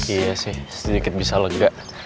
iya sih sedikit bisa lo juga